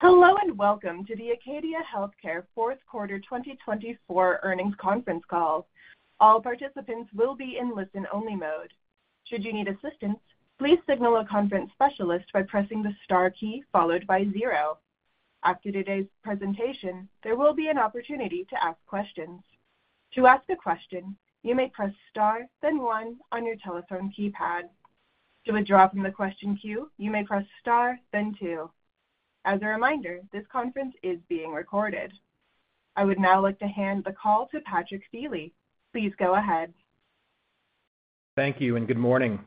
Hello and welcome to the Acadia Healthcare Fourth Quarter 2024 Earnings Conference Call. All participants will be in listen-only mode. Should you need assistance, please signal a conference specialist by pressing the star key followed by zero. After today's presentation, there will be an opportunity to ask questions. To ask a question, you may press star, then one on your telephone keypad. To withdraw from the question queue, you may press star, then two. As a reminder, this conference is being recorded. I would now like to hand the call to Patrick Feeley. Please go ahead. Thank you and good morning.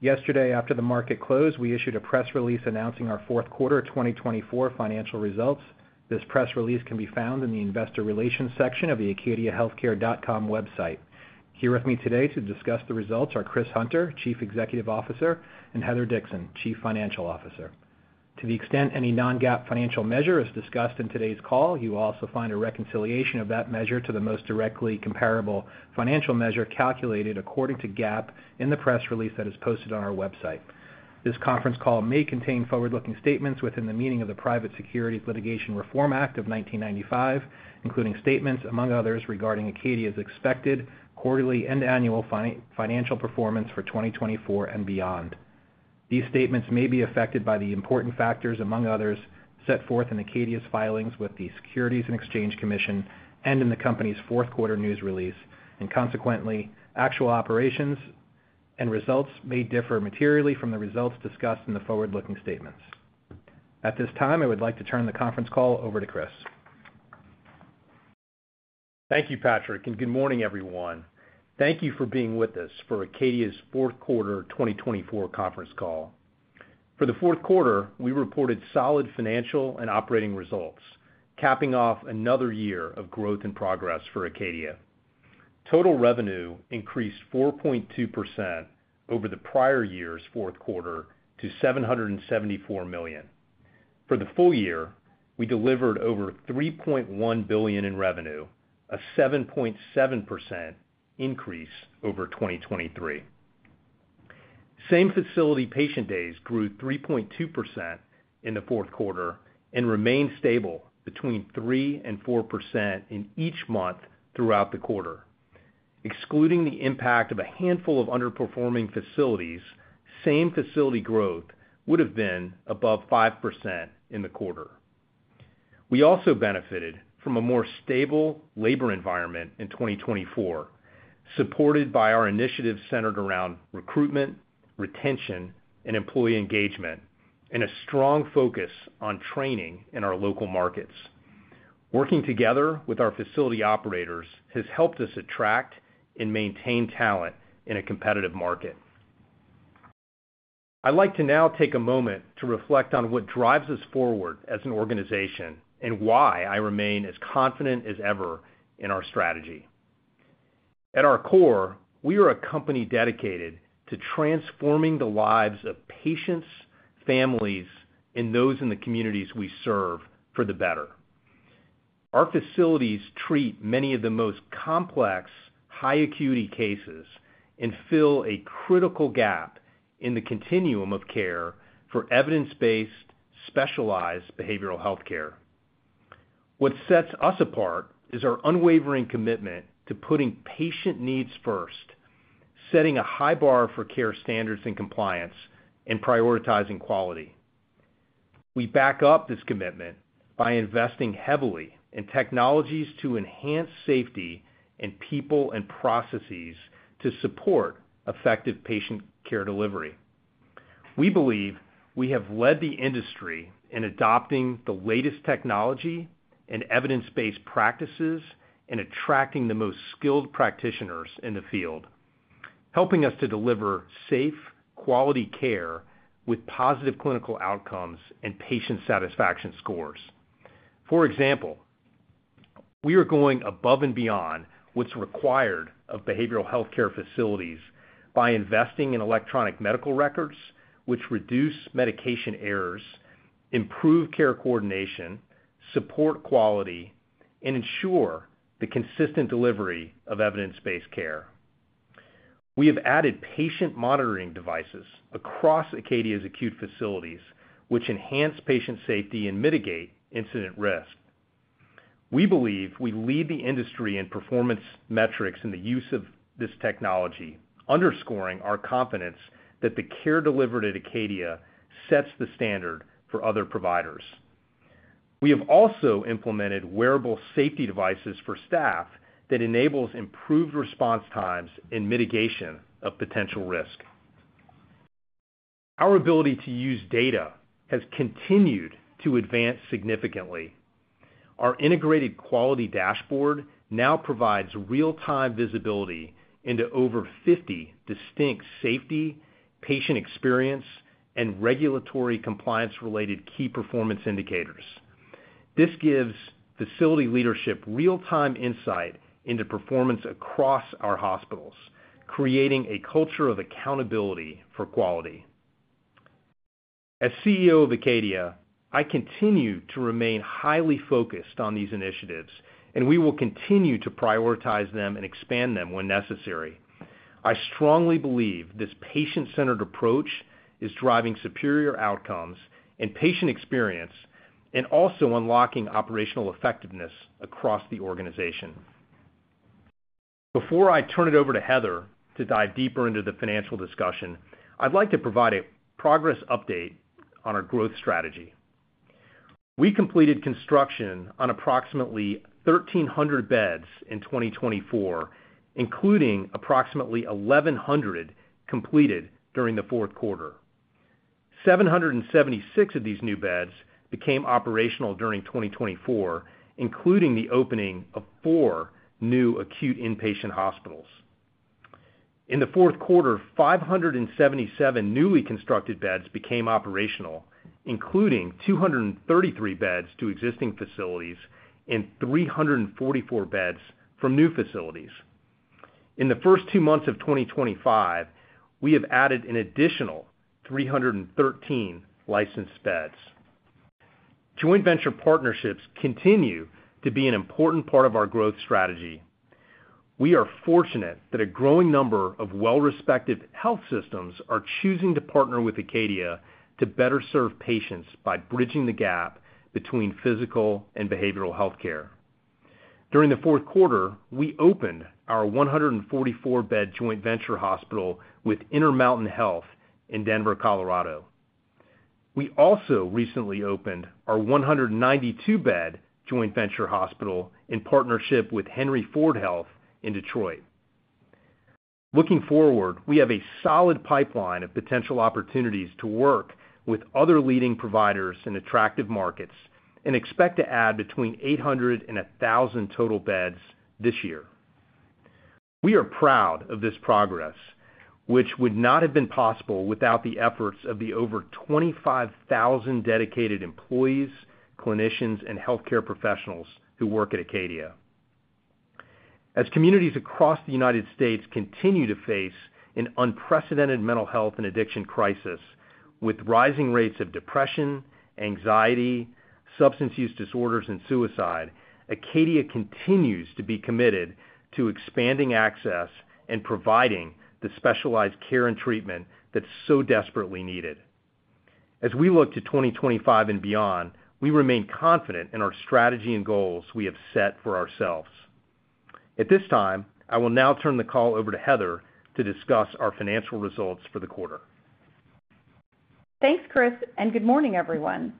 Yesterday, after the market closed, we issued a press release announcing our fourth quarter 2024 financial results. This press release can be found in the Investor Relations section of the acadiahealthcare.com website. Here with me today to discuss the results are Chris Hunter, Chief Executive Officer, and Heather Dixon, Chief Financial Officer. To the extent any non-GAAP financial measure is discussed in today's call, you will also find a reconciliation of that measure to the most directly comparable financial measure calculated according to GAAP in the press release that is posted on our website. This conference call may contain forward-looking statements within the meaning of the Private Securities Litigation Reform Act of 1995, including statements, among others, regarding Acadia's expected quarterly and annual financial performance for 2024 and beyond. These statements may be affected by the important factors, among others, set forth in Acadia's filings with the Securities and Exchange Commission and in the company's fourth quarter news release. Consequently, actual operations and results may differ materially from the results discussed in the forward-looking statements. At this time, I would like to turn the conference call over to Chris. Thank you, Patrick, and good morning, everyone. Thank you for being with us for Acadia's fourth quarter 2024 conference call. For the fourth quarter, we reported solid financial and operating results, capping off another year of growth and progress for Acadia. Total revenue increased 4.2% over the prior year's fourth quarter to $774 million. For the full year, we delivered over $3.1 billion in revenue, a 7.7% increase over 2023. Same facility patient days grew 3.2% in the fourth quarter and remained stable between 3% and 4% in each month throughout the quarter. Excluding the impact of a handful of underperforming facilities, same facility growth would have been above 5% in the quarter. We also benefited from a more stable labor environment in 2024, supported by our initiatives centered around recruitment, retention, and employee engagement, and a strong focus on training in our local markets. Working together with our facility operators has helped us attract and maintain talent in a competitive market. I'd like to now take a moment to reflect on what drives us forward as an organization and why I remain as confident as ever in our strategy. At our core, we are a company dedicated to transforming the lives of patients, families, and those in the communities we serve for the better. Our facilities treat many of the most complex, high-acuity cases and fill a critical gap in the continuum of care for evidence-based, specialized behavioral healthcare. What sets us apart is our unwavering commitment to putting patient needs first, setting a high bar for care standards and compliance, and prioritizing quality. We back up this commitment by investing heavily in technologies to enhance safety and people and processes to support effective patient care delivery. We believe we have led the industry in adopting the latest technology and evidence-based practices and attracting the most skilled practitioners in the field, helping us to deliver safe, quality care with positive clinical outcomes and patient satisfaction scores. For example, we are going above and beyond what's required of behavioral healthcare facilities by investing in electronic medical records, which reduce medication errors, improve care coordination, support quality, and ensure the consistent delivery of evidence-based care. We have added patient monitoring devices across Acadia's acute facilities, which enhance patient safety and mitigate incident risk. We believe we lead the industry in performance metrics and the use of this technology, underscoring our confidence that the care delivered at Acadia sets the standard for other providers. We have also implemented wearable safety devices for staff that enable improved response times and mitigation of potential risk. Our ability to use data has continued to advance significantly. Our integrated quality dashboard now provides real-time visibility into over 50 distinct safety, patient experience, and regulatory compliance-related key performance indicators. This gives facility leadership real-time insight into performance across our hospitals, creating a culture of accountability for quality. As CEO of Acadia, I continue to remain highly focused on these initiatives, and we will continue to prioritize them and expand them when necessary. I strongly believe this patient-centered approach is driving superior outcomes and patient experience and also unlocking operational effectiveness across the organization. Before I turn it over to Heather to dive deeper into the financial discussion, I'd like to provide a progress update on our growth strategy. We completed construction on approximately 1,300 beds in 2024, including approximately 1,100 completed during the fourth quarter. 776 of these new beds became operational during 2024, including the opening of four new acute inpatient hospitals. In the fourth quarter, 577 newly constructed beds became operational, including 233 beds to existing facilities and 344 beds from new facilities. In the first two months of 2025, we have added an additional 313 licensed beds. Joint venture partnerships continue to be an important part of our growth strategy. We are fortunate that a growing number of well-respected health systems are choosing to partner with Acadia to better serve patients by bridging the gap between physical and behavioral healthcare. During the fourth quarter, we opened our 144-bed joint venture hospital with Intermountain Health in Denver, Colorado. We also recently opened our 192-bed joint venture hospital in partnership with Henry Ford Health in Detroit. Looking forward, we have a solid pipeline of potential opportunities to work with other leading providers in attractive markets and expect to add between 800 and 1,000 total beds this year. We are proud of this progress, which would not have been possible without the efforts of the over 25,000 dedicated employees, clinicians, and healthcare professionals who work at Acadia. As communities across the United States continue to face an unprecedented mental health and addiction crisis with rising rates of depression, anxiety, substance use disorders, and suicide, Acadia continues to be committed to expanding access and providing the specialized care and treatment that's so desperately needed. As we look to 2025 and beyond, we remain confident in our strategy and goals we have set for ourselves. At this time, I will now turn the call over to Heather to discuss our financial results for the quarter. Thanks, Chris, and good morning, everyone.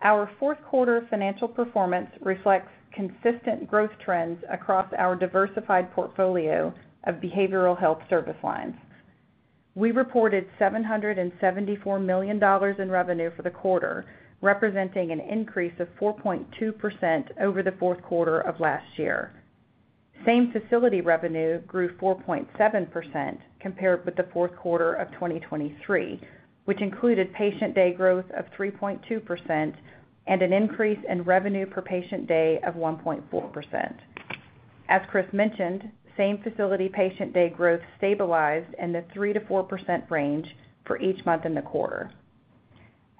Our fourth quarter financial performance reflects consistent growth trends across our diversified portfolio of behavioral health service lines. We reported $774 million in revenue for the quarter, representing an increase of 4.2% over the fourth quarter of last year. Same facility revenue grew 4.7% compared with the fourth quarter of 2023, which included patient day growth of 3.2% and an increase in revenue per patient day of 1.4%. As Chris mentioned, same facility patient day growth stabilized in the 3%-4% range for each month in the quarter.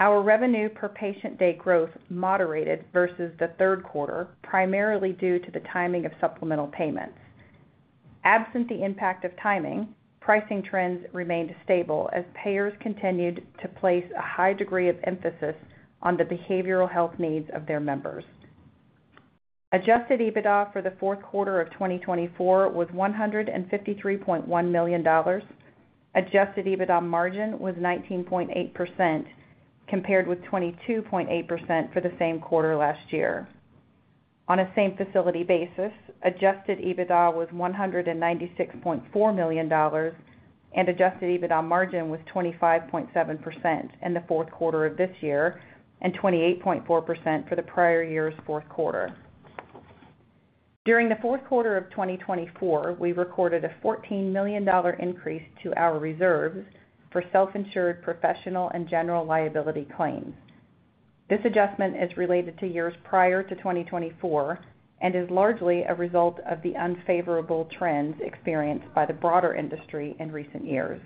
Our revenue per patient day growth moderated versus the third quarter, primarily due to the timing of supplemental payments. Absent the impact of timing, pricing trends remained stable as payers continued to place a high degree of emphasis on the behavioral health needs of their members. Adjusted EBITDA for the fourth quarter of 2024 was $153.1 million. Adjusted EBITDA margin was 19.8% compared with 22.8% for the same quarter last year. On a same facility basis, adjusted EBITDA was $196.4 million, and adjusted EBITDA margin was 25.7% in the fourth quarter of this year and 28.4% for the prior year's fourth quarter. During the fourth quarter of 2024, we recorded a $14 million increase to our reserves for self-insured professional and general liability claims. This adjustment is related to years prior to 2024 and is largely a result of the unfavorable trends experienced by the broader industry in recent years.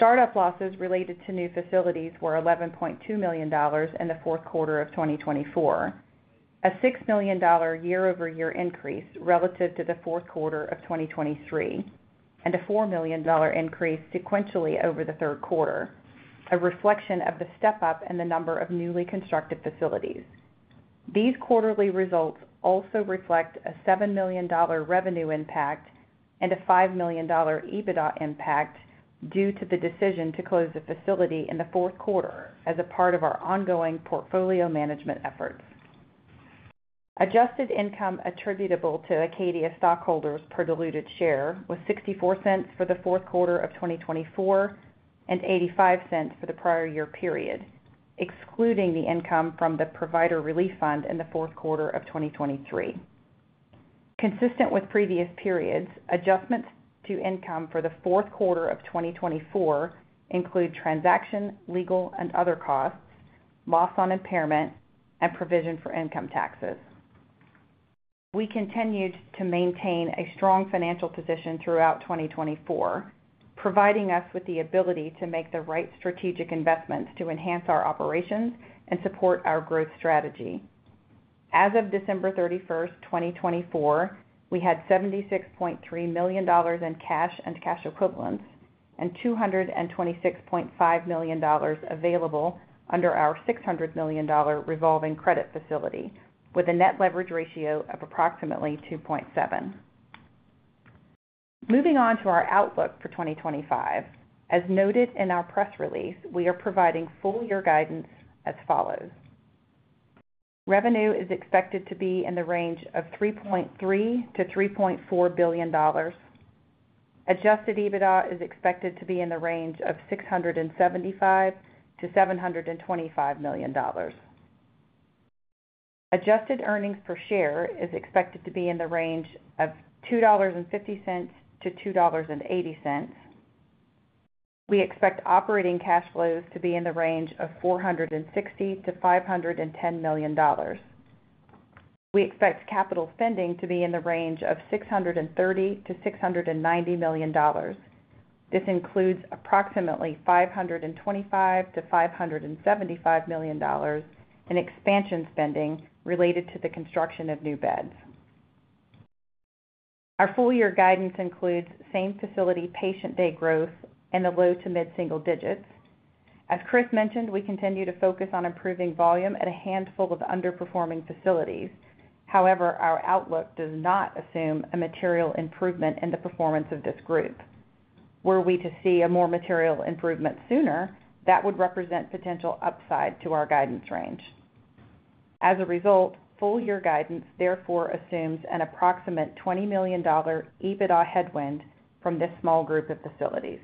Startup losses related to new facilities were $11.2 million in the fourth quarter of 2024, a $6 million year-over-year increase relative to the fourth quarter of 2023, and a $4 million increase sequentially over the third quarter, a reflection of the step-up in the number of newly constructed facilities. These quarterly results also reflect a $7 million revenue impact and a $5 million EBITDA impact due to the decision to close the facility in the fourth quarter as a part of our ongoing portfolio management efforts. Adjusted income attributable to Acadia stockholders per diluted share was $0.64 for the fourth quarter of 2024 and $0.85 for the prior year period, excluding the income from the Provider Relief Fund in the fourth quarter of 2023. Consistent with previous periods, adjustments to income for the fourth quarter of 2024 include transaction, legal, and other costs, loss on impairment, and provision for income taxes. We continued to maintain a strong financial position throughout 2024, providing us with the ability to make the right strategic investments to enhance our operations and support our growth strategy. As of December 31st, 2024, we had $76.3 million in cash and cash equivalents and $226.5 million available under our $600 million revolving credit facility with a net leverage ratio of approximately 2.7. Moving on to our outlook for 2025, as noted in our press release, we are providing full-year guidance as follows. Revenue is expected to be in the range of $3.3 billion-$3.4 billion. Adjusted EBITDA is expected to be in the range of $675 billion-$725 million. Adjusted Earnings Per Share is expected to be in the range of $2.50-$2.80. We expect operating cash flows to be in the range of $460 million-$510 million. We expect capital spending to be in the range of $630-$690 million. This includes approximately $525million-$575 million in expansion spending related to the construction of new beds. Our full-year guidance includes same facility patient day growth and the low to mid-single digits. As Chris mentioned, we continue to focus on improving volume at a handful of underperforming facilities. However, our outlook does not assume a material improvement in the performance of this group. Were we to see a more material improvement sooner, that would represent potential upside to our guidance range. As a result, full-year guidance therefore assumes an approximate $20 million EBITDA headwind from this small group of facilities.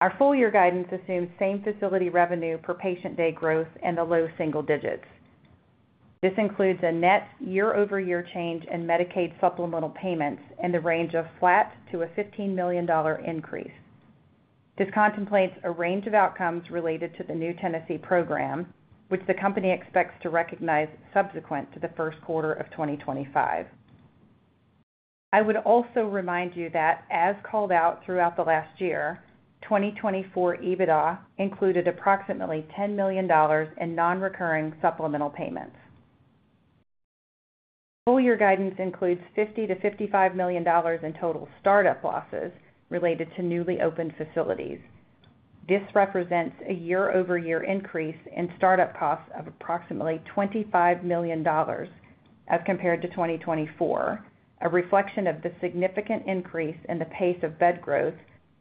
Our full-year guidance assumes same facility revenue per patient day growth in the low single digits. This includes a net year-over-year change in Medicaid supplemental payments in the range of flat to a $15 million increase. This contemplates a range of outcomes related to the new Tennessee program, which the company expects to recognize subsequent to the first quarter of 2025. I would also remind you that, as called out throughout the last year, 2024 EBITDA included approximately $10 million in non-recurring supplemental payments. Full-year guidance includes $50 million-$55 million in total startup losses related to newly opened facilities. This represents a year-over-year increase in startup costs of approximately $25 million as compared to 2024, a reflection of the significant increase in the pace of bed growth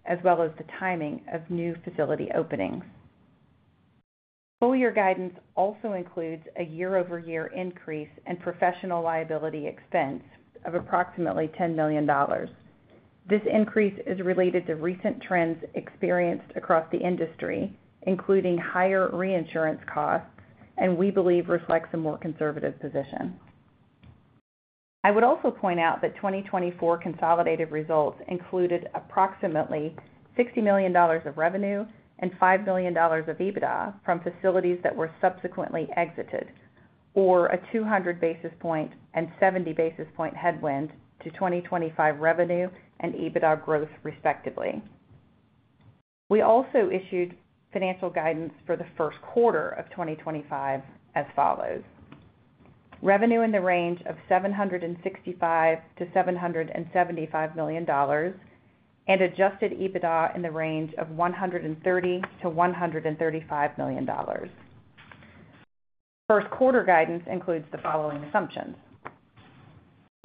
as well as the timing of new facility openings. Full-year guidance also includes a year-over-year increase in professional liability expense of approximately $10 million. This increase is related to recent trends experienced across the industry, including higher reinsurance costs, and we believe reflects a more conservative position. I would also point out that 2024 consolidated results included approximately $60 million of revenue and $5 million of EBITDA from facilities that were subsequently exited, or a 200 basis point and 70 basis point headwind to 2025 revenue and EBITDA growth, respectively. We also issued financial guidance for the first quarter of 2025 as follows: revenue in the range of $765 million-$775 million and adjusted EBITDA in the range of $130 million-$135 million. First quarter guidance includes the following assumptions.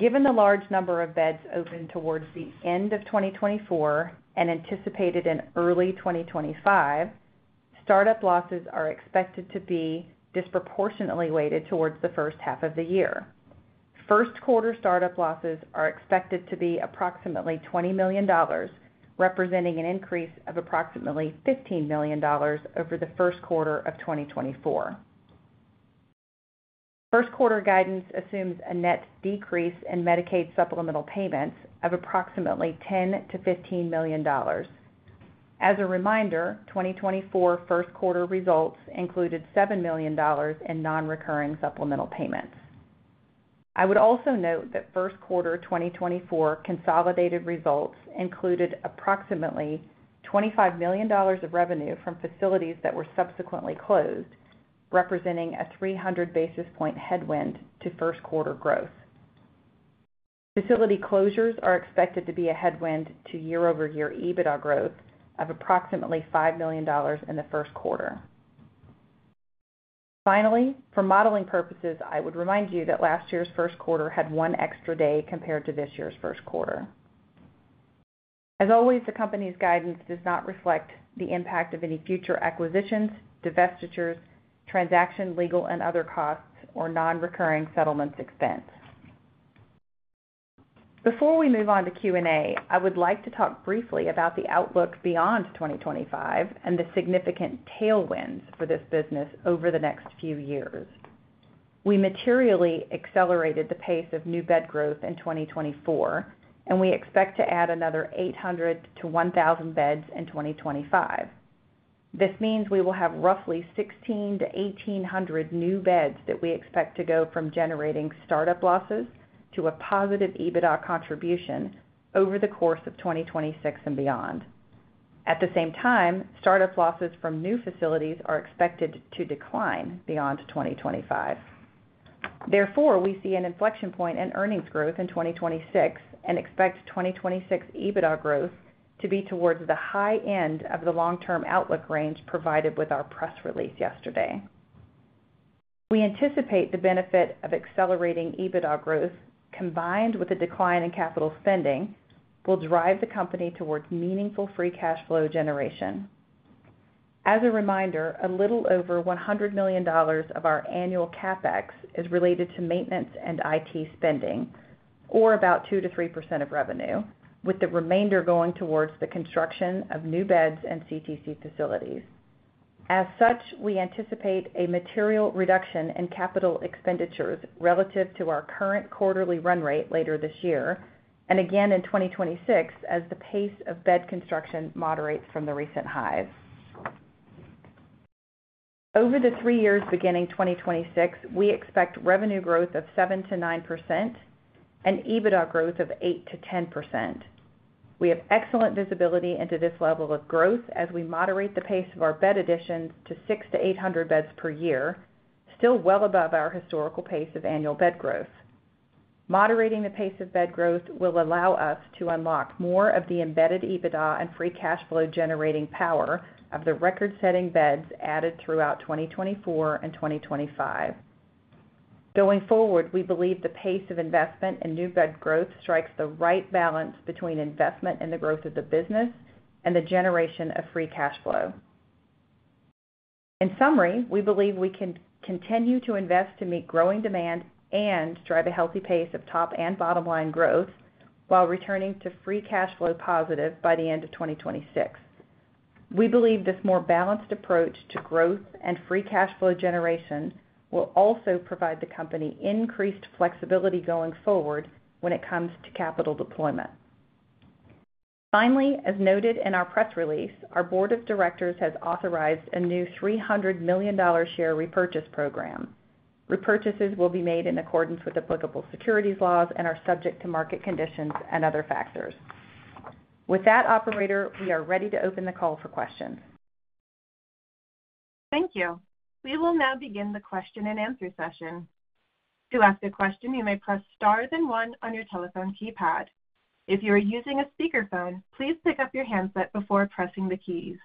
Given the large number of beds open towards the end of 2024 and anticipated in early 2025, startup losses are expected to be disproportionately weighted towards the first half of the year. First quarter startup losses are expected to be approximately $20 million, representing an increase of approximately $15 million over the first quarter of 2024. First quarter guidance assumes a net decrease in Medicaid supplemental payments of approximately $10-$15 million. As a reminder, 2024 first quarter results included $7 million in non-recurring supplemental payments. I would also note that first quarter 2024 consolidated results included approximately $25 million of revenue from facilities that were subsequently closed, representing a 300 basis point headwind to first quarter growth. Facility closures are expected to be a headwind to year-over-year EBITDA growth of approximately $5 million in the first quarter. Finally, for modeling purposes, I would remind you that last year's first quarter had one extra day compared to this year's first quarter. As always, the company's guidance does not reflect the impact of any future acquisitions, divestitures, transaction, legal, and other costs, or non-recurring settlements expense. Before we move on to Q&A, I would like to talk briefly about the outlook beyond 2025 and the significant tailwinds for this business over the next few years. We materially accelerated the pace of new bed growth in 2024, and we expect to add another 800-1,000 beds in 2025. This means we will have roughly 1,600-1,800 new beds that we expect to go from generating startup losses to a positive EBITDA contribution over the course of 2026 and beyond. At the same time, startup losses from new facilities are expected to decline beyond 2025. Therefore, we see an inflection point in earnings growth in 2026 and expect 2026 EBITDA growth to be towards the high end of the long-term outlook range provided with our press release yesterday. We anticipate the benefit of accelerating EBITDA growth combined with a decline in capital spending will drive the company towards meaningful free cash flow generation. As a reminder, a little over $100 million of our annual CapEx is related to maintenance and IT spending, or about 2%-3% of revenue, with the remainder going towards the construction of new beds and CTC facilities. As such, we anticipate a material reduction in capital expenditures relative to our current quarterly run rate later this year and again in 2026 as the pace of bed construction moderates from the recent highs. Over the three years beginning 2026, we expect revenue growth of 7%-9% and EBITDA growth of 8%-10%. We have excellent visibility into this level of growth as we moderate the pace of our bed additions to 600-800 beds per year, still well above our historical pace of annual bed growth. Moderating the pace of bed growth will allow us to unlock more of the embedded EBITDA and free cash flow generating power of the record-setting beds added throughout 2024 and 2025. Going forward, we believe the pace of investment in new bed growth strikes the right balance between investment in the growth of the business and the generation of free cash flow. In summary, we believe we can continue to invest to meet growing demand and drive a healthy pace of top and bottom line growth while returning to free cash flow positive by the end of 2026. We believe this more balanced approach to growth and free cash flow generation will also provide the company increased flexibility going forward when it comes to capital deployment. Finally, as noted in our press release, our Board of Directors has authorized a new $300 million share repurchase program. Repurchases will be made in accordance with applicable securities laws and are subject to market conditions and other factors. With that, Operator, we are ready to open the call for questions. Thank you. We will now begin the question and answer session. To ask a question, you may press star and one on your telephone keypad. If you are using a speakerphone, please pick up your handset before pressing the keys.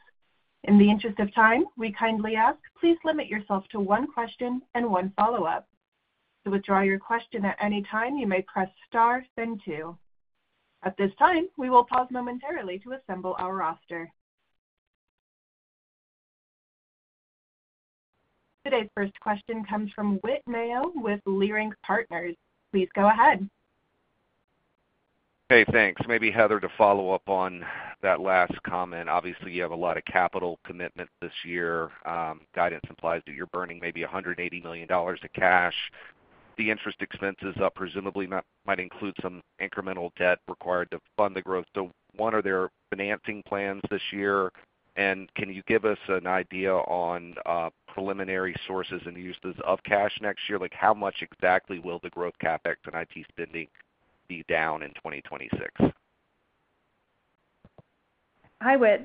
In the interest of time, we kindly ask, please limit yourself to one question and one follow-up. To withdraw your question at any time, you may press star, then two. At this time, we will pause momentarily to assemble our roster. Today's first question comes from Whit Mayo with Leerink Partners. Please go ahead. Hey, thanks. Maybe Heather to follow up on that last comment. Obviously, you have a lot of capital commitment this year. Guidance implies that you're burning maybe $180 million of cash. The interest expenses presumably might include some incremental debt required to fund the growth. So what are their financing plans this year? And can you give us an idea on preliminary sources and uses of cash next year? Like how much exactly will the growth CapEx and IT spending be down in 2026? Hi Whit,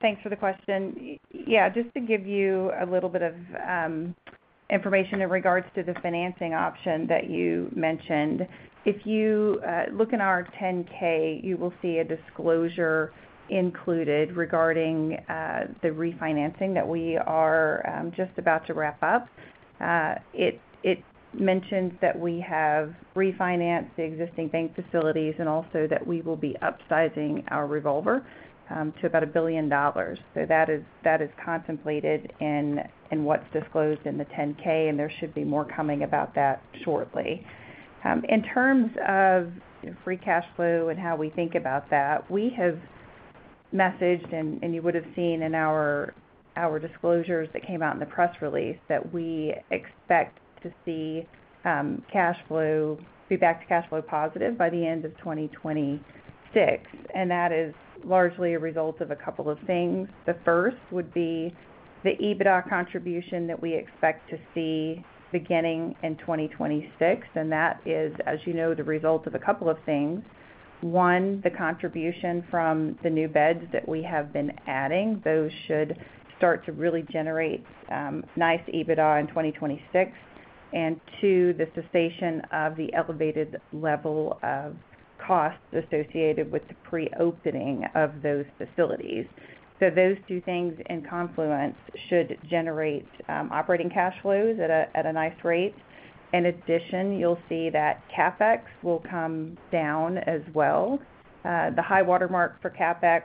thanks for the question. Yeah, just to give you a little bit of information in regards to the financing option that you mentioned, if you look in our 10-K, you will see a disclosure included regarding the refinancing that we are just about to wrap up. It mentions that we have refinanced the existing bank facilities and also that we will be upsizing our revolver to about $1 billion. So that is contemplated in what's disclosed in the 10-K, and there should be more coming about that shortly. In terms of free cash flow and how we think about that, we have messaged, and you would have seen in our disclosures that came out in the press release that we expect to see cash flow be back to cash flow positive by the end of 2026, and that is largely a result of a couple of things. The first would be the EBITDA contribution that we expect to see beginning in 2026, and that is, as you know, the result of a couple of things. One, the contribution from the new beds that we have been adding, those should start to really generate nice EBITDA in 2026, and two, the cessation of the elevated level of costs associated with the pre-opening of those facilities, so those two things in confluence should generate operating cash flows at a nice rate. In addition, you'll see that CapEx will come down as well. The high watermark for CapEx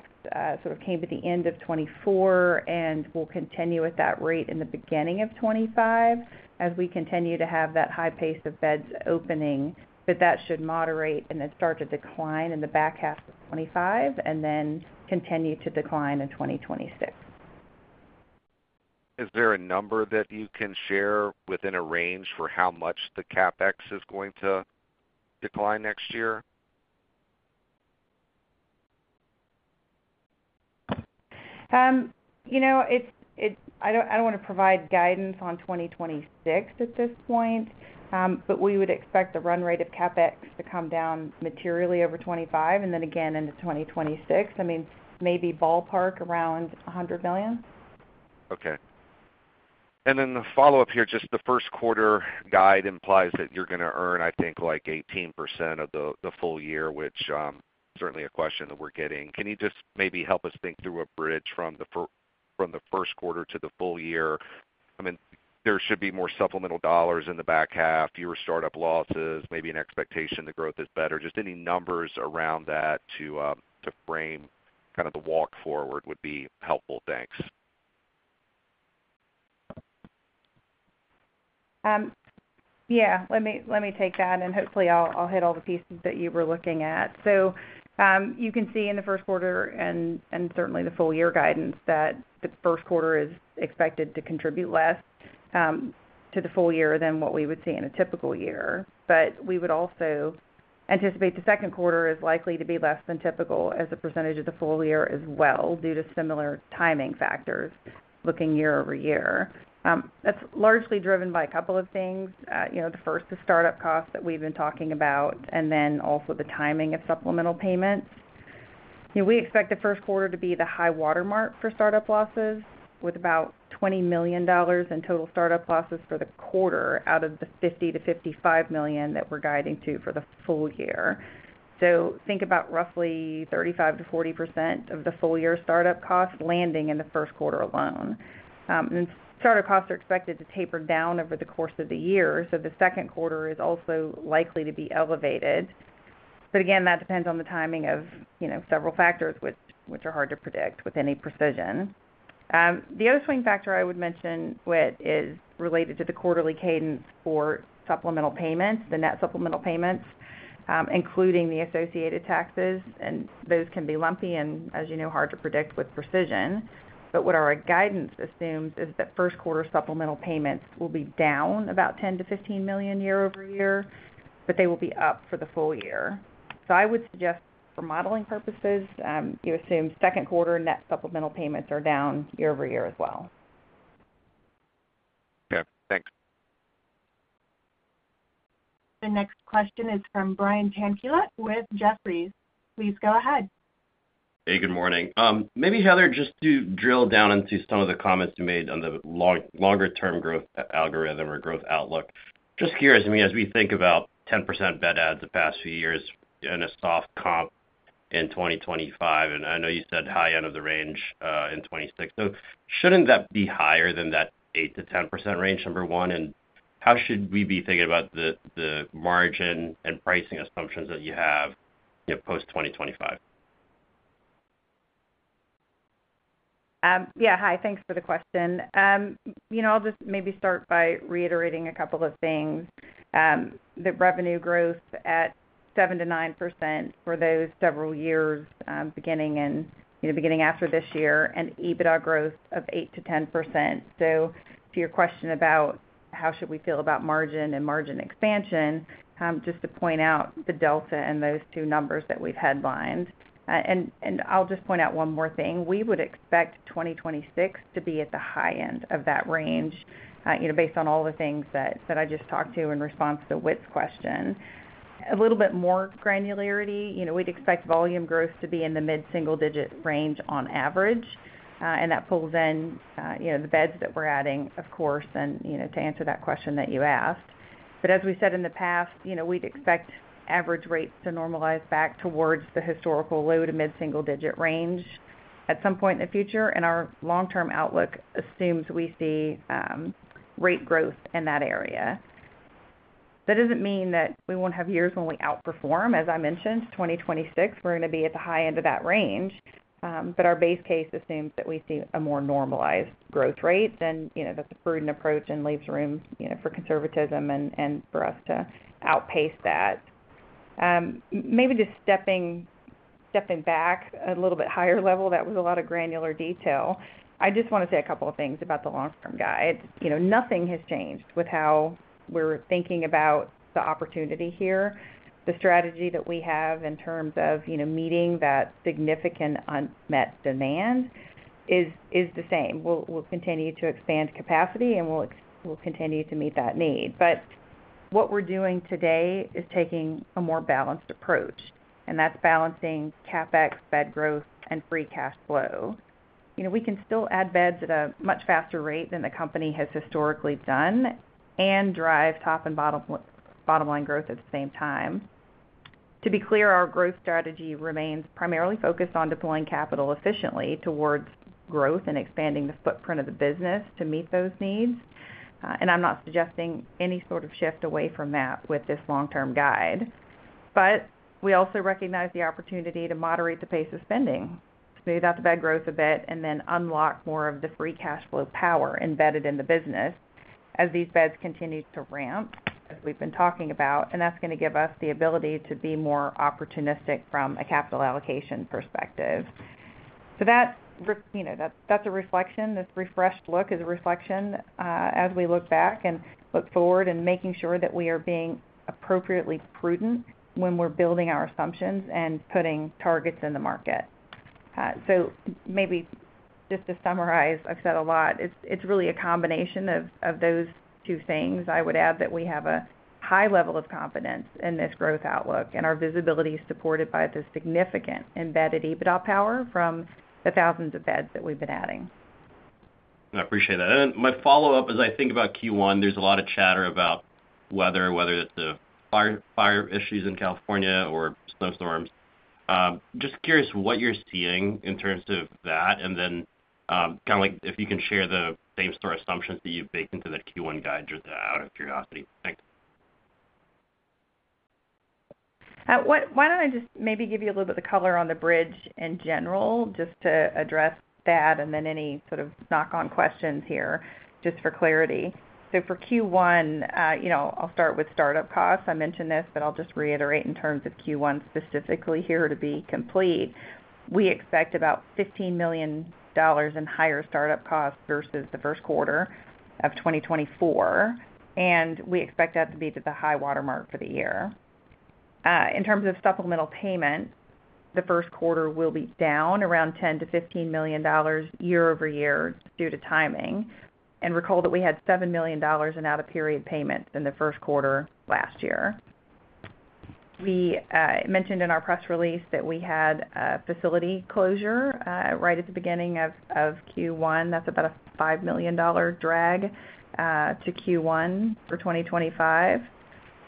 sort of came to the end of 2024 and will continue at that rate in the beginning of 2025 as we continue to have that high pace of beds opening. But that should moderate and then start to decline in the back half of 2025 and then continue to decline in 2026. Is there a number that you can share within a range for how much the CapEx is going to decline next year? You know, I don't want to provide guidance on 2026 at this point, but we would expect the run rate of CapEx to come down materially over 2025 and then again into 2026. I mean, maybe ballpark around $100 million. Okay. And then the follow-up here, just the first quarter guide implies that you're going to earn, I think, like 18% of the full year, which is certainly a question that we're getting. Can you just maybe help us think through a bridge from the first quarter to the full year? I mean, there should be more supplemental dollars in the back half, fewer startup losses, maybe an expectation the growth is better. Just any numbers around that to frame kind of the walk forward would be helpful. Thanks. Yeah, let me take that and hopefully I'll hit all the pieces that you were looking at. So you can see in the first quarter and certainly the full year guidance that the first quarter is expected to contribute less to the full year than what we would see in a typical year. but we would also anticipate the second quarter is likely to be less than typical as a percentage of the full year as well due to similar timing factors looking year-over- year. That's largely driven by a couple of things. You know, the first is startup costs that we've been talking about and then also the timing of supplemental payments. We expect the first quarter to be the high watermark for startup losses with about $20 million in total startup losses for the quarter out of the $50 million-$55 million that we're guiding to for the full year. So think about roughly 35%-40% of the full year startup costs landing in the first quarter alone. And startup costs are expected to taper down over the course of the year, so the second quarter is also likely to be elevated. But again, that depends on the timing of several factors which are hard to predict with any precision. The other swing factor I would mention, Whit, is related to the quarterly cadence for supplemental payments, the net supplemental payments, including the associated taxes. And those can be lumpy and, as you know, hard to predict with precision. But what our guidance assumes is that first quarter supplemental payments will be down about $10 million-$15 million year-over-year, but they will be up for the full year. So I would suggest for modeling purposes, you assume second quarter net supplemental payments year-over-year as well. Okay, thanks. The next question is from Brian Tanquilut with Jefferies. Please go ahead. Hey, good morning. Maybe, Heather, just to drill down into some of the comments you made on the longer-term growth algorithm or growth outlook. Just curious, I mean, as we think about 10% bed adds the past few years and a soft comp in 2025, and I know you said high end of the range in 2026. So shouldn't that be higher than that 8%-10% range, number one? And how should we be thinking about the margin and pricing assumptions that you have post-2025? Yeah, hi, thanks for the question. You know, I'll just maybe start by reiterating a couple of things. The revenue growth at 7%-9% for those several years beginning after this year and EBITDA growth of 8%-10%. So to your question about how should we feel about margin and margin expansion, just to point out the delta in those two numbers that we've headlined. And I'll just point out one more thing. We would expect 2026 to be at the high end of that range, you know, based on all the things that I just talked to in response to Whit's question. A little bit more granularity, you know, we'd expect volume growth to be in the mid-single-digit range on average, and that pulls in the beds that we're adding, of course, and to answer that question that you asked. But as we said in the past, you know, we'd expect average rates to normalize back towards the historical low to mid-single-digit range at some point in the future. And our long-term outlook assumes we see rate growth in that area. That doesn't mean that we won't have years when we outperform. As I mentioned, 2026, we're going to be at the high end of that range. But our base case assumes that we see a more normalized growth rate, and that's a prudent approach and leaves room for conservatism and for us to outpace that. Maybe just stepping back a little bit, higher level, that was a lot of granular detail. I just want to say a couple of things about the long-term guide. You know, nothing has changed with how we're thinking about the opportunity here. The strategy that we have in terms of meeting that significant unmet demand is the same. We'll continue to expand capacity, and we'll continue to meet that need. But what we're doing today is taking a more balanced approach. And that's balancing CapEx, bed growth, and free cash flow. You know, we can still add beds at a much faster rate than the company has historically done and drive top and bottom line growth at the same time. To be clear, our growth strategy remains primarily focused on deploying capital efficiently towards growth and expanding the footprint of the business to meet those needs. And I'm not suggesting any sort of shift away from that with this long-term guide. But we also recognize the opportunity to moderate the pace of spending, smooth out the bed growth a bit, and then unlock more of the free cash flow power embedded in the business as these beds continue to ramp, as we've been talking about. And that's going to give us the ability to be more opportunistic from a capital allocation perspective. So that's a reflection. This refreshed look is a reflection as we look back and look forward and making sure that we are being appropriately prudent when we're building our assumptions and putting targets in the market. So maybe just to summarize, I've said a lot. It's really a combination of those two things. I would add that we have a high level of confidence in this growth outlook and our visibility is supported by the significant embedded EBITDA power from the thousands of beds that we've been adding. I appreciate that. And my follow-up is I think about Q1, there's a lot of chatter about weather, whether it's the fire issues in California or snowstorms. Just curious what you're seeing in terms of that and then kind of like if you can share the same sort of assumptions that you've baked into that Q1 guide just out of curiosity. Thanks. Why don't I just maybe give you a little bit of color on the bridge in general just to address that and then any sort of knock-on questions here just for clarity. So for Q1, you know, I'll start with startup costs. I mentioned this, but I'll just reiterate in terms of Q1 specifically here to be complete. We expect about $15 million in higher startup costs versus the first quarter of 2024. And we expect that to be to the high watermark for the year. In terms of supplemental payment, the first quarter will be down around year-over-year due to timing. And recall that we had $7 million in out-of-period payments in the first quarter last year. We mentioned in our press release that we had a facility closure right at the beginning of Q1. That's about a $5 million drag to Q1 for 2025.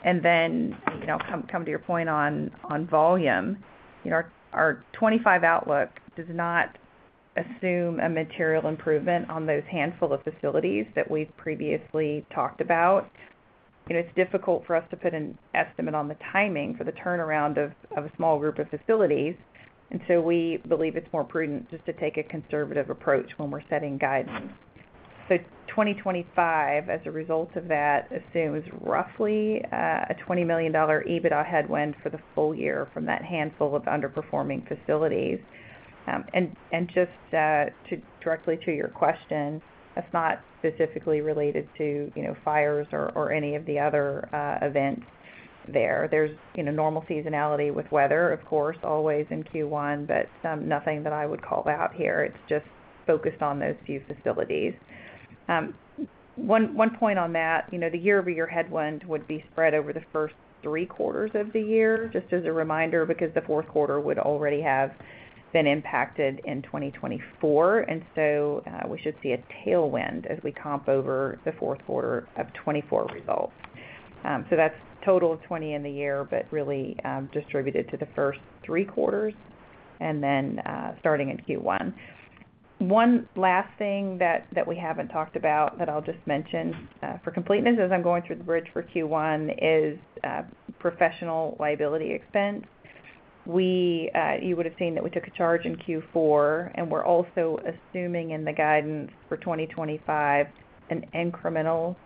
And then, you know, come to your point on volume. You know, our 2025 outlook does not assume a material improvement on those handful of facilities that we've previously talked about. You know, it's difficult for us to put an estimate on the timing for the turnaround of a small group of facilities. And so we believe it's more prudent just to take a conservative approach when we're setting guidance. So 2025, as a result of that, assumes roughly a $20 million EBITDA headwind for the full year from that handful of underperforming facilities. And just to get directly to your question, that's not specifically related to fires or any of the other events there. There's normal seasonality with weather, of course, always in Q1, but nothing that I would call out here. It's just focused on those few facilities. One point on that, you know, the year-over-year headwind would be spread over the first three quarters of the year, just as a reminder, because the fourth quarter would already have been impacted in 2024. And so we should see a tailwind as we comp over the fourth quarter of 2024 results. So that's total of 20 in the year, but really distributed to the first three quarters and then starting in Q1. One last thing that we haven't talked about that I'll just mention for completeness as I'm going through the bridge for Q1 is professional liability expense. You would have seen that we took a charge in Q4 and we're also assuming in the guidance for 2025 an incremental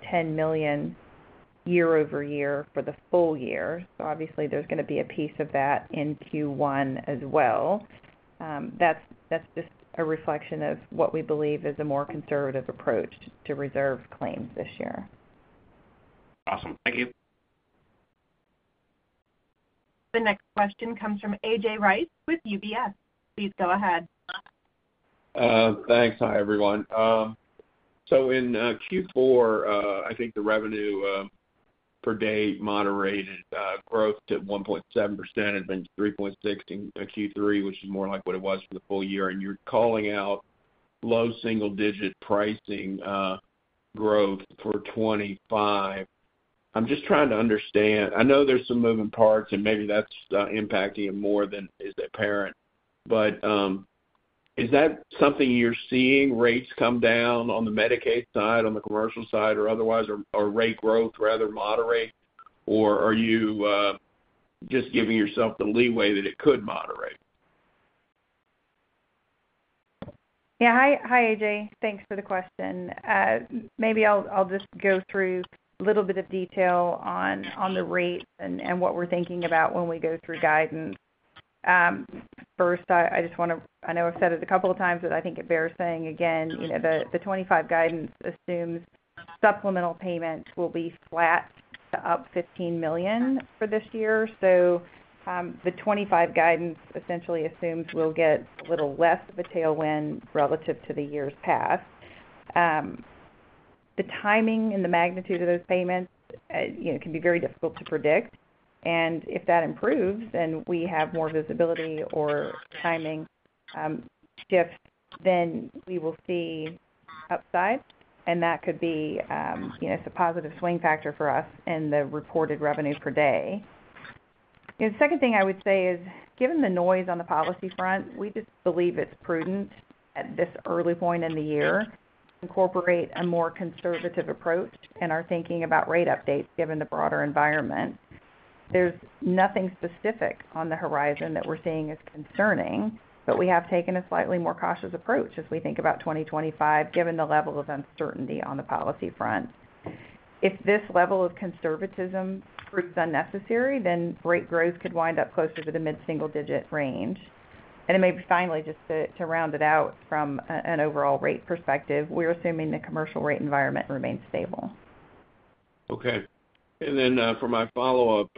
year-over-year for the full year. So obviously there's going to be a piece of that in Q1 as well. That's just a reflection of what we believe is a more conservative approach to reserve claims this year. Awesome. Thank you. The next question comes from A.J. Rice with UBS. Please go ahead. Thanks. Hi, everyone. So in Q4, I think the revenue per day moderated growth to 1.7% and then 3.6% in Q3, which is more like what it was for the full year. And you're calling out low single-digit pricing growth for 2025. I'm just trying to understand. I know there's some moving parts and maybe that's impacting it more than is apparent. But is that something you're seeing? Rates come down on the Medicaid side, on the commercial side or otherwise, or rate growth rather moderate? Or are you just giving yourself the leeway that it could moderate? Yeah. Hi, A.J.. Thanks for the question. Maybe I'll just go through a little bit of detail on the rates and what we're thinking about when we go through guidance. First, I just want to. I know I've said it a couple of times, but I think it bears saying again, you know, the 2025 guidance assumes supplemental payments will be flat to up $15 million for this year. So the 2025 guidance essentially assumes we'll get a little less of a tailwind relative to the years past. The timing and the magnitude of those payments, you know, can be very difficult to predict. And if that improves and we have more visibility or timing shifts, then we will see upside. And that could be, you know, it's a positive swing factor for us in the reported revenue per day. The second thing I would say is, given the noise on the policy front, we just believe it's prudent at this early point in the year to incorporate a more conservative approach in our thinking about rate updates given the broader environment. There's nothing specific on the horizon that we're seeing as concerning, but we have taken a slightly more cautious approach as we think about 2025, given the level of uncertainty on the policy front. If this level of conservatism proves unnecessary, then rate growth could wind up closer to the mid-single-digit range, and then maybe finally, just to round it out from an overall rate perspective, we're assuming the commercial rate environment remains stable. Okay, and then for my follow-up,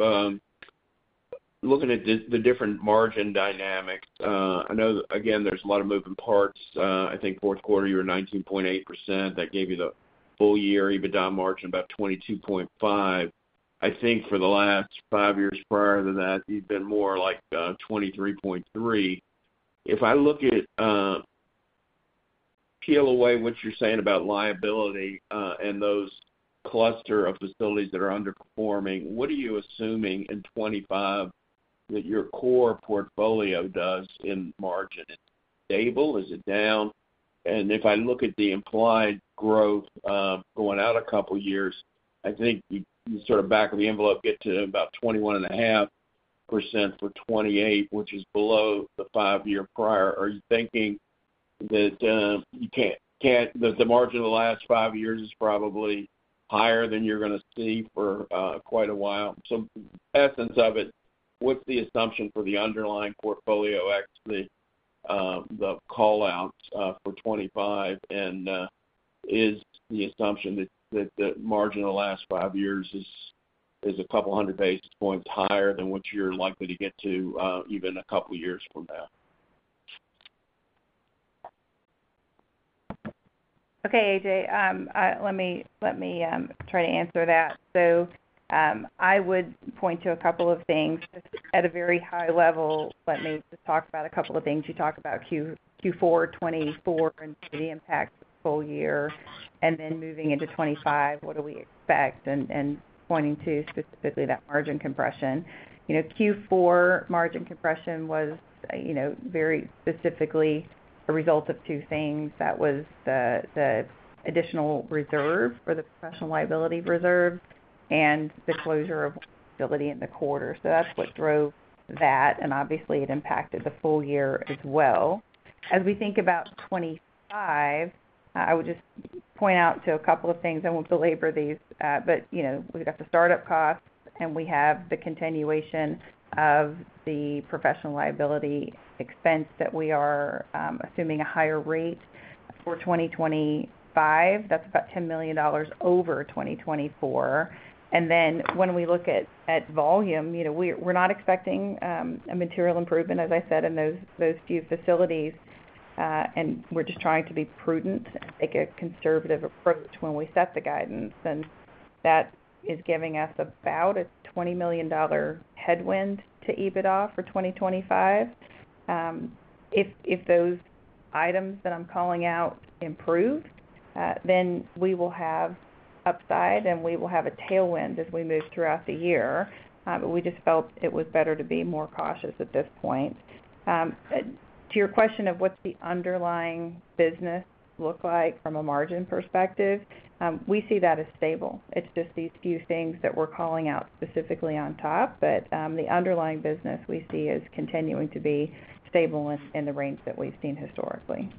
looking at the different margin dynamics, I know, again, there's a lot of moving parts. I think fourth quarter year 19.8%. That gave you the full year EBITDA margin about 22.5%. I think for the last five years prior to that, you've been more like 23.3%. If I look at peel away what you're saying about viability and those clusters of facilities that are underperforming, what are you assuming in 2025 that your core portfolio does in margin? Is it stable? Is it down? And if I look at the implied growth going out a couple of years, I think you sort of back of the envelope get to about 21.5% for 2028, which is below the five-year prior. Are you thinking that you can't, that the margin of the last five years is probably higher than you're going to see for quite a while? So essence of it, what's the assumption for the underlying portfolio actually, the outlook for 2025? Is the assumption that the margin of the last five years is a 200 basis points higher than what you're likely to get to even a couple of years from now? Okay, A.J., let me try to answer that. So I would point to a couple of things at a very high level. Let me just talk about a couple of things. You talk about Q4 2024, and the impact of the full year. And then moving into 2025, what do we expect? And pointing to specifically that margin compression. You know, Q4 margin compression was, you know, very specifically a result of two things. That was the additional reserve or the professional liability reserve and the closure of liability in the quarter. So that's what drove that. And obviously, it impacted the full year as well. As we think about 2025, I would just point out to a couple of things. I won't belabor these, but you know, we've got the startup costs and we have the continuation of the professional liability expense that we are assuming a higher rate for 2025. That's about $10 million over 2024. And then when we look at volume, you know, we're not expecting a material improvement, as I said, in those few facilities. And we're just trying to be prudent and take a conservative approach when we set the guidance. And that is giving us about a $20 million headwind to EBITDA for 2025. If those items that I'm calling out improve, then we will have upside and we will have a tailwind as we move throughout the year. But we just felt it was better to be more cautious at this point. To your question of what the underlying business looks like from a margin perspective, we see that as stable. It's just these few things that we're calling out specifically on top. But the underlying business we see is continuing to be stable in the range that we've seen historically.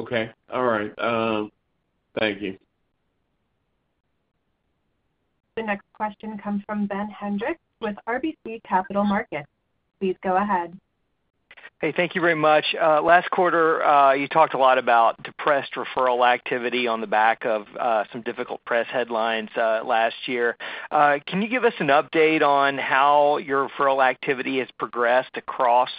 Okay. All right. Thank you. The next question comes from Ben Hendrix with RBC Capital Markets. Please go ahead. Hey, thank you very much. Last quarter, you talked a lot about depressed referral activity on the back of some difficult press headlines last year. Can you give us an update on how your referral activity has progressed across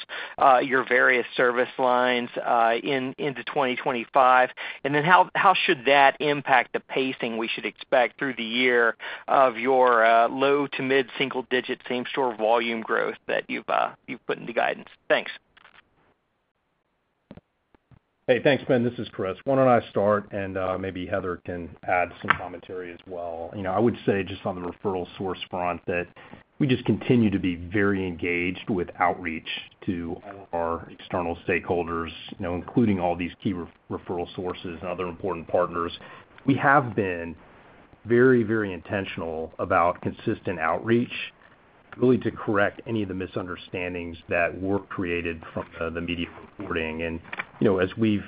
your various service lines into 2025? And then how should that impact the pacing we should expect through the year of your low to mid-single-digit same-store volume growth that you've put into guidance? Thanks. Hey, thanks, Ben. This is Chris. Why don't I start and maybe Heather can add some commentary as well. You know, I would say just on the referral source front that we just continue to be very engaged with outreach to all of our external stakeholders, you know, including all these key referral sources and other important partners. We have been very, very intentional about consistent outreach, really to correct any of the misunderstandings that were created from the media reporting. And, you know, as we've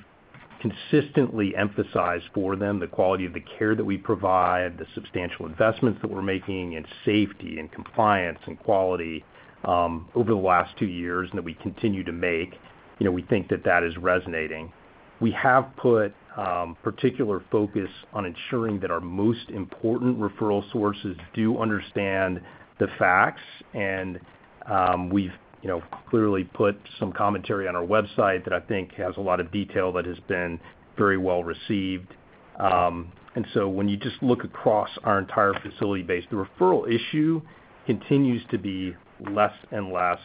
consistently emphasized for them the quality of the care that we provide, the substantial investments that we're making in safety and compliance and quality over the last two years and that we continue to make, you know, we think that that is resonating. We have put particular focus on ensuring that our most important referral sources do understand the facts. And we've, you know, clearly put some commentary on our website that I think has a lot of detail that has been very well received. And so when you just look across our entire facility base, the referral issue continues to be less and less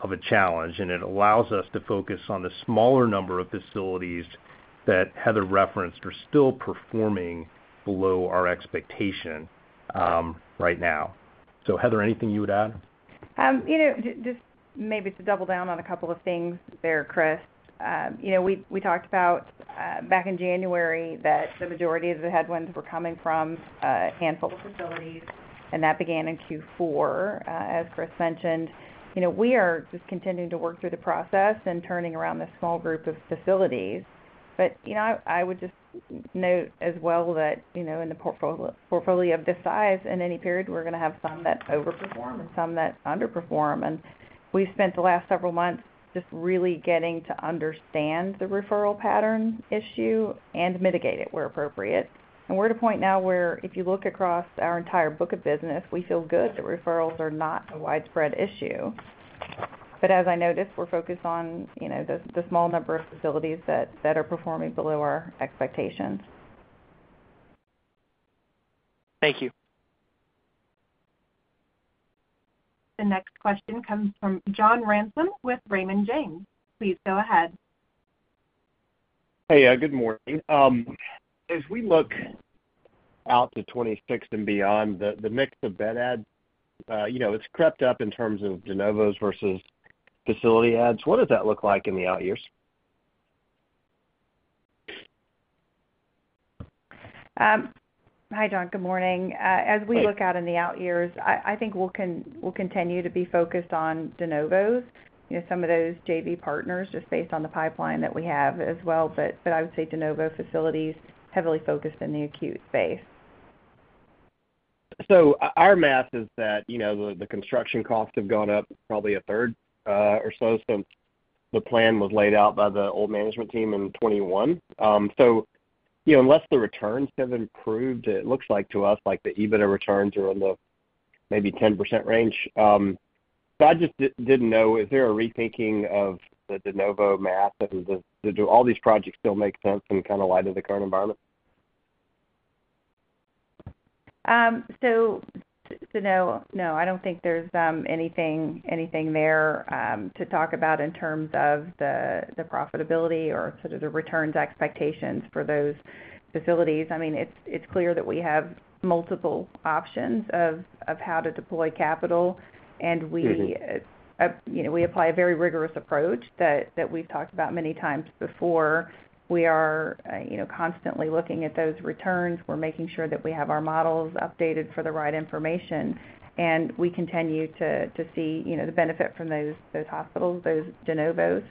of a challenge. And it allows us to focus on the smaller number of facilities that Heather referenced are still performing below our expectation right now. So, Heather, anything you would add? You know, just maybe to double down on a couple of things there, Chris. You know, we talked about back in January that the majority of the headwinds were coming from a handful of facilities. And that began in Q4, as Chris mentioned. You know, we are just continuing to work through the process and turning around the small group of facilities. But you know, I would just note as well that, you know, in the portfolio of this size, in any period, we're going to have some that overperform and some that underperform. We've spent the last several months just really getting to understand the referral pattern issue and mitigate it where appropriate. We're at a point now where if you look across our entire book of business, we feel good that referrals are not a widespread issue. But as I noticed, we're focused on, you know, the small number of facilities that are performing below our expectations. Thank you. The next question comes from John Ransom with Raymond James. Please go ahead. Hey, good morning. As we look out to 2026 and beyond, the mix of bed adds, you know, it's crept up in terms of de novos versus facility adds. What does that look like in the out years? Hi, John. Good morning. As we look out in the out years, I think we'll continue to be focused on de novos, you know, some of those JV partners just based on the pipeline that we have as well. But I would say de novo facilities heavily focused in the acute space. So our math is that, you know, the construction costs have gone up probably a third or so. So the plan was laid out by the old management team in 2021. So, you know, unless the returns have improved, it looks like to us like the EBITDA returns are in the maybe 10% range. So I just didn't know, is there a rethinking of the de novo math? Do all these projects still make sense and kind of align to the current environment? So, no, no, I don't think there's anything there to talk about in terms of the profitability or sort of the returns expectations for those facilities. I mean, it's clear that we have multiple options of how to deploy capital. And we, you know, we apply a very rigorous approach that we've talked about many times before. We are, you know, constantly looking at those returns. We're making sure that we have our models updated for the right information. And we continue to see, you know, the benefit from those hospitals, those de novos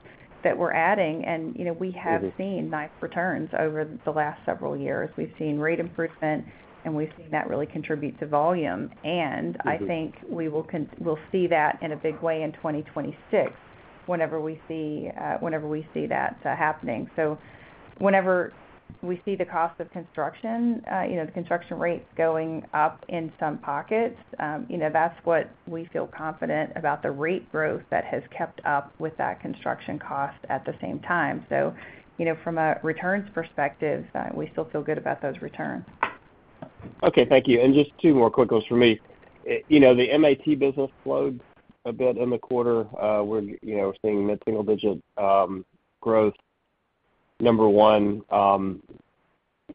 that we're adding. And, you know, we have seen nice returns over the last several years. We've seen rate improvement, and we've seen that really contribute to volume. And I think we will see that in a big way in 2026 whenever we see that happening. So, whenever we see the cost of construction, you know, the construction rates going up in some pockets, you know, that's what we feel confident about the rate growth that has kept up with that construction cost at the same time. So, you know, from a returns perspective, we still feel good about those returns. Okay. Thank you. And just two more quick ones for me. You know, the MAT business slowed a bit in the quarter. We're, you know, seeing mid-single-digit growth, number one.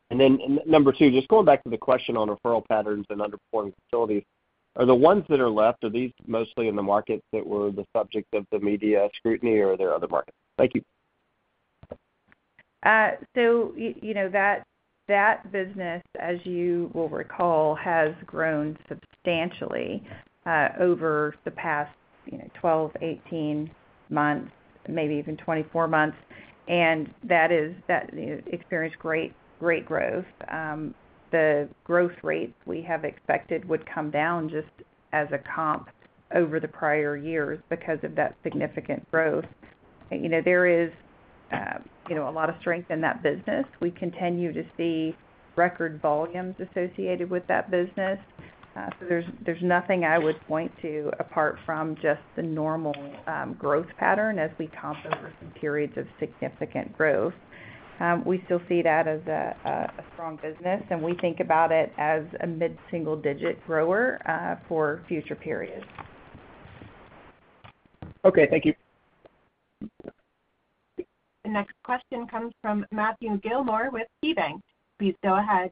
And then number two, just going back to the question on referral patterns and underperforming facilities, are the ones that are left, are these mostly in the markets that were the subject of the media scrutiny or are there other markets? Thank you. So, you know, that business, as you will recall, has grown substantially over the past, you know, 12, 18 months, maybe even 24 months. And that has experienced great growth. The growth rate we have expected would come down just as a comp over the prior years because of that significant growth. You know, there is, you know, a lot of strength in that business. We continue to see record volumes associated with that business. So there's nothing I would point to apart from just the normal growth pattern as we comp over some periods of significant growth. We still see that as a strong business, and we think about it as a mid-single-digit grower for future periods. Okay. Thank you. The next question comes from Matthew Gillmor with KeyBanc. Please go ahead.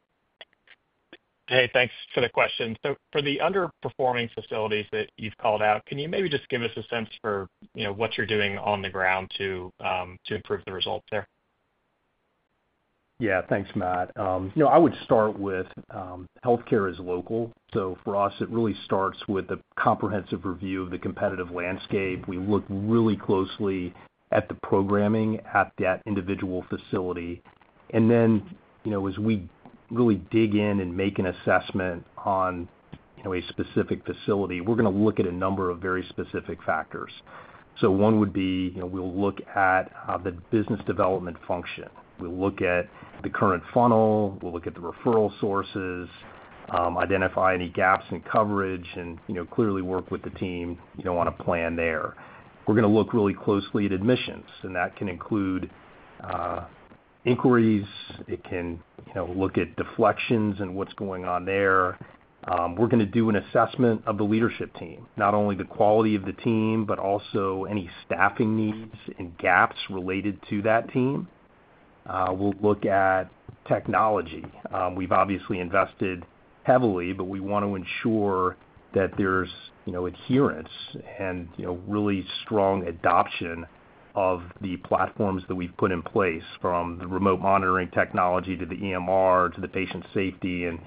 Hey, thanks for the question. So for the underperforming facilities that you've called out, can you maybe just give us a sense for, you know, what you're doing on the ground to improve the results there? Yeah. Thanks, Matt. You know, I would start with healthcare is local. So for us, it really starts with a comprehensive review of the competitive landscape. We look really closely at the programming at that individual facility. And then, you know, as we really dig in and make an assessment on, you know, a specific facility, we're going to look at a number of very specific factors. So one would be, you know, we'll look at the business development function. We'll look at the current funnel. We'll look at the referral sources, identify any gaps in coverage, and, you know, clearly work with the team, you know, on a plan there. We're going to look really closely at admissions, and that can include inquiries. It can, you know, look at deflections and what's going on there. We're going to do an assessment of the leadership team, not only the quality of the team, but also any staffing needs and gaps related to that team. We'll look at technology. We've obviously invested heavily, but we want to ensure that there's, you know, adherence and, you know, really strong adoption of the platforms that we've put in place from the remote monitoring technology to the EMR to the patient safety and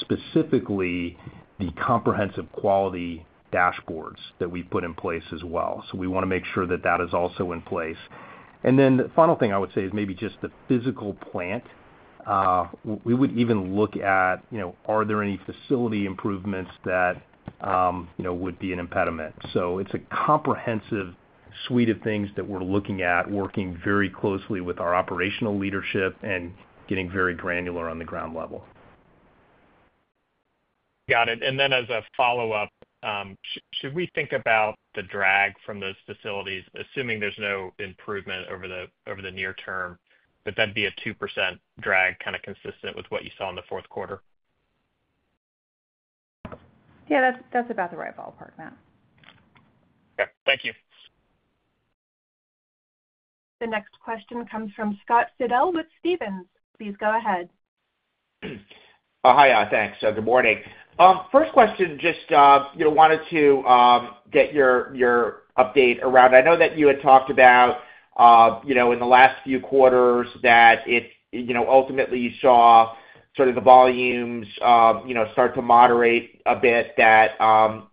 specifically the comprehensive quality dashboards that we've put in place as well. So we want to make sure that that is also in place, and then the final thing I would say is maybe just the physical plant. We would even look at, you know, are there any facility improvements that, you know, would be an impediment? So it's a comprehensive suite of things that we're looking at, working very closely with our operational leadership and getting very granular on the ground level. Got it. And then as a follow-up, should we think about the drag from those facilities, assuming there's no improvement over the near term, but that'd be a 2% drag kind of consistent with what you saw in the fourth quarter? Yeah, that's about the right ballpark, Matt. Okay. Thank you. The next question comes from Scott Fidel with Stephens. Please go ahead. Hi, thanks. Good morning. First question, just, you know, wanted to get your update around. I know that you had talked about, you know, in the last few quarters that it, you know, ultimately you saw sort of the volumes, you know, start to moderate a bit, that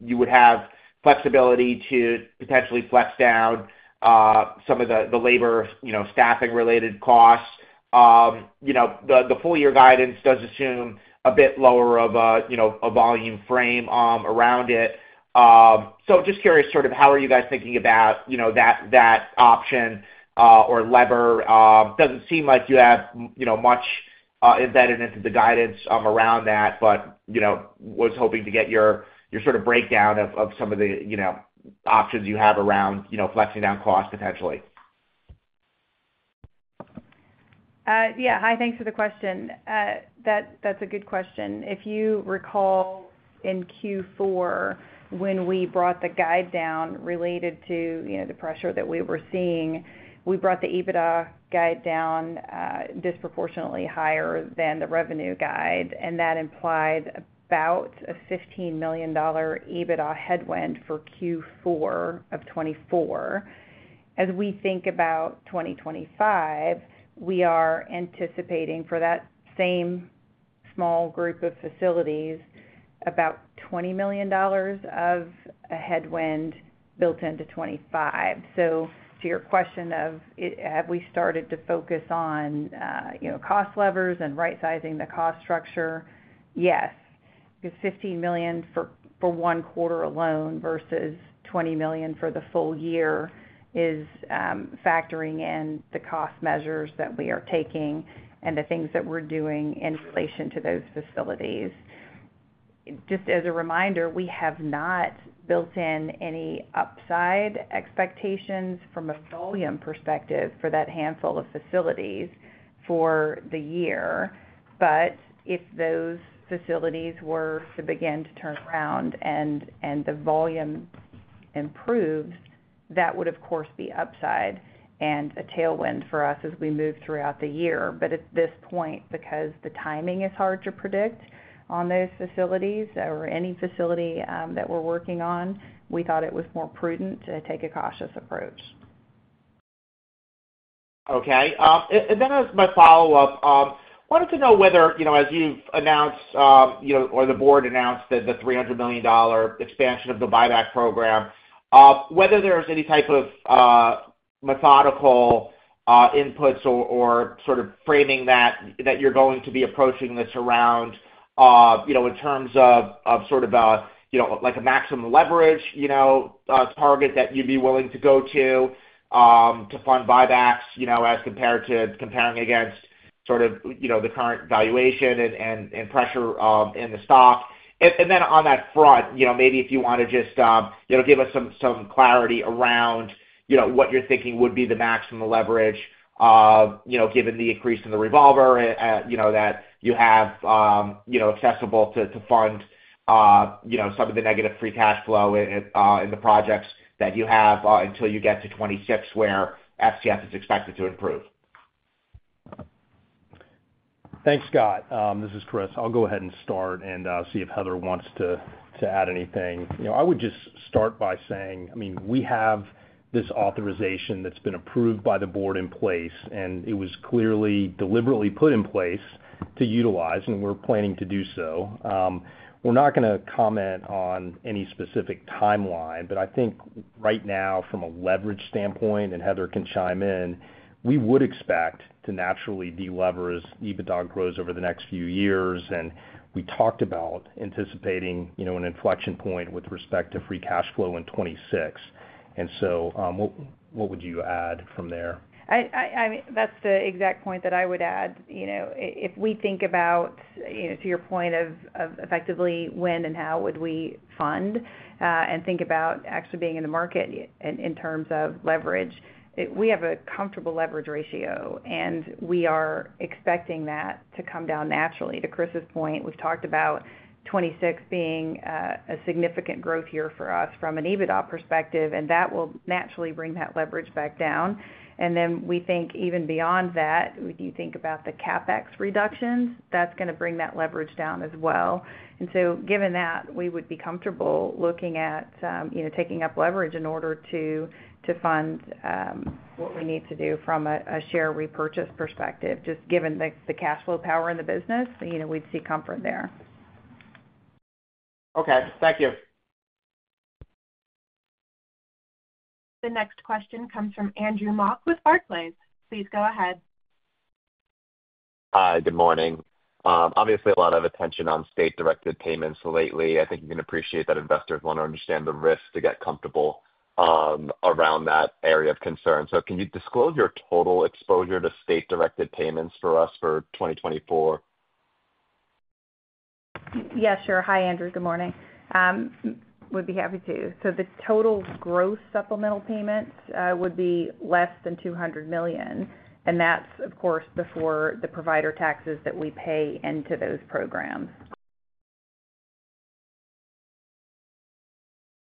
you would have flexibility to potentially flex down some of the labor, you know, staffing-related costs. You know, the full-year guidance does assume a bit lower of a, you know, a volume frame around it. So just curious sort of how are you guys thinking about, you know, that option or lever? Doesn't seem like you have, you know, much embedded into the guidance around that, but, you know, was hoping to get your sort of breakdown of some of the, you know, options you have around, you know, flexing down cost potentially. Yeah. Hi, thanks for the question. That's a good question. If you recall in Q4 when we brought the guide down related to, you know, the pressure that we were seeing, we brought the EBITDA guide down disproportionately higher than the revenue guide. And that implied about a $15 million EBITDA headwind. nd for Q4 of 2024. As we think about 2025, we are anticipating for that same small group of facilities about $20 million of a headwind built into 2025. So to your question of have we started to focus on, you know, cost levers and right-sizing the cost structure, yes. Because $15 million for one quarter alone versus $20 million for the full year is factoring in the cost measures that we are taking and the things that we're doing in relation to those facilities. Just as a reminder, we have not built in any upside expectations from a volume perspective for that handful of facilities for the year. But if those facilities were to begin to turn around and the volume improves, that would, of course, be upside and a tailwind for us as we move throughout the year. But at this point, because the timing is hard to predict on those facilities or any facility that we're working on, we thought it was more prudent to take a cautious approach. Okay. And then as my follow-up, I wanted to know whether, you know, as you've announced, you know, or the Board announced the $300 million expansion of the buyback program, whether there's any type of methodical inputs or sort of framing that you're going to be approaching this around, you know, in terms of sort of a, you know, like a maximum leverage, you know, target that you'd be willing to go to to fund buybacks, you know, as compared to comparing against sort of, you know, the current valuation and pressure in the stock? And then on that front, you know, maybe if you want to just, you know, give us some clarity around, you know, what you're thinking would be the maximum leverage, you know, given the increase in the revolver, you know, that you have, you know, accessible to fund, you know, some of the negative free cash flow in the projects that you have until you get to 2026 where FCF is expected to improve. Thanks, Scott. This is Chris. I'll go ahead and start and see if Heather wants to add anything. You know, I would just start by saying, I mean, we have this authorization that's been approved by the Board in place, and it was clearly deliberately put in place to utilize, and we're planning to do so. We're not going to comment on any specific timeline, but I think right now from a leverage standpoint, and Heather can chime in, we would expect to naturally deleverage EBITDA growth over the next few years. And we talked about anticipating, you know, an inflection point with respect to free cash flow in 2026. And so what would you add from there? I mean, that's the exact point that I would add. You know, if we think about, you know, to your point of effectively when and how would we fund and think about actually being in the market in terms of leverage, we have a comfortable leverage ratio, and we are expecting that to come down naturally. To Chris's point, we've talked about 2026 being a significant growth year for us from an EBITDA perspective, and that will naturally bring that leverage back down. And then we think even beyond that, if you think about the CapEx reductions, that's going to bring that leverage down as well. And so given that, we would be comfortable looking at, you know, taking up leverage in order to fund what we need to do from a share repurchase perspective. Just given the cash flow power in the business, you know, we'd see comfort there. Okay. Thank you. The next question comes from Andrew Mok with Barclays. Please go ahead. Hi, good morning. Obviously, a lot of attention on state-directed payments lately. I think you can appreciate that investors want to understand the risk to get comfortable around that area of concern. So can you disclose your total exposure to state-directed payments for us for 2024? Yes, sure. Hi, Andrew. Good morning. Would be happy to. So the total gross supplemental payments would be less than $200 million. And that's, of course, before the provider taxes that we pay into those programs.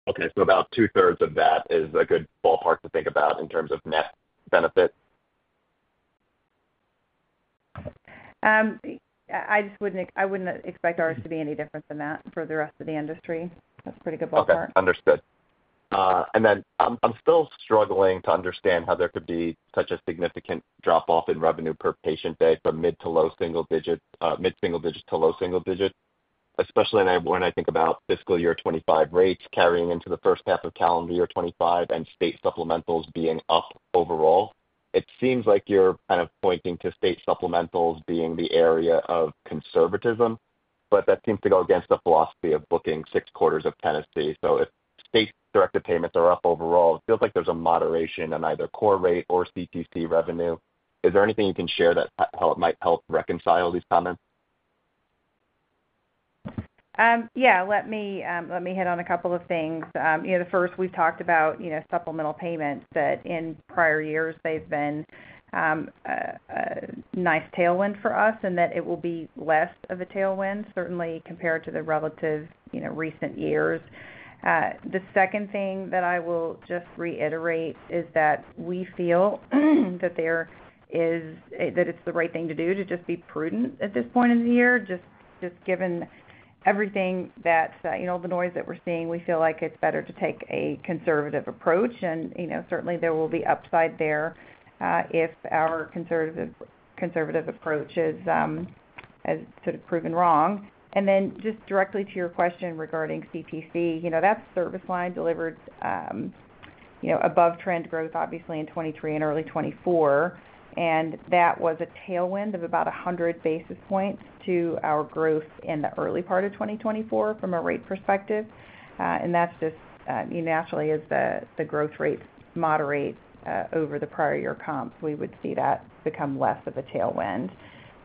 Okay. So about two-thirds of that is a good ballpark to think about in terms of net benefit? I just wouldn't expect ours to be any different than that for the rest of the industry. That's a pretty good ballpark. Understood. And then I'm still struggling to understand how there could be such a significant drop-off in revenue per patient day from mid to low single digit, mid-single digit to low single digit, especially when I think about fiscal year 2025 rates carrying into the first half of calendar year 2025 and state supplementals being up overall. It seems like you're kind of pointing to state supplementals being the area of conservatism, but that seems to go against the philosophy of booking six quarters of Tennessee. So if state-directed payments are up overall, it feels like there's a moderation in either core rate or CTC revenue. Is there anything you can share that might help reconcile these comments? Yeah. Let me hit on a couple of things. You know, the first, we've talked about, you know, supplemental payments, that in prior years, they've been a nice tailwind for us and that it will be less of a tailwind, certainly compared to the relative, you know, recent years. The second thing that I will just reiterate is that we feel that there is, that it's the right thing to do to just be prudent at this point in the year. Just given everything that, you know, all the noise that we're seeing, we feel like it's better to take a conservative approach. You know, certainly there will be upside there if our conservative approach is sort of proven wrong. And then just directly to your question regarding CTC, you know, that's service line delivered, you know, above trend growth, obviously, in 2023 and early 2024. And that was a tailwind of about 100 basis points to our growth in the early part of 2024 from a rate perspective. And that's just, you know, naturally, as the growth rates moderate over the prior year comps, we would see that become less of a tailwind.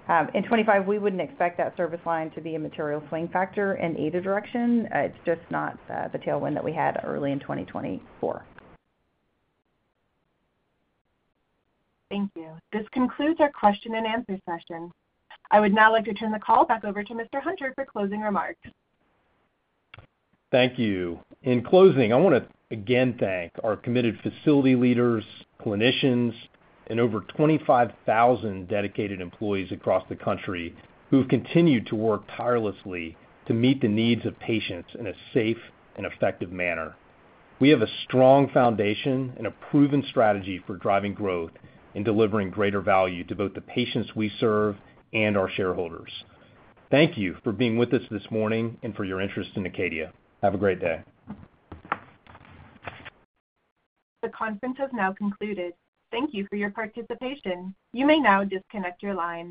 In 2025, we wouldn't expect that service line to be a material swing factor in either direction. It's just not the tailwind that we had early in 2024. Thank you. This concludes our question and answer session. I would now like to turn the call back over to Mr. Hunter for closing remarks. Thank you. In closing, I want to again thank our committed facility leaders, clinicians, and over 25,000 dedicated employees across the country who have continued to work tirelessly to meet the needs of patients in a safe and effective manner. We have a strong foundation and a proven strategy for driving growth and delivering greater value to both the patients we serve and our shareholders. Thank you for being with us this morning and for your interest in Acadia. Have a great day. The conference has now concluded. Thank you for your participation. You may now disconnect your line.